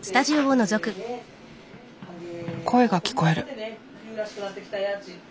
声が聞こえる。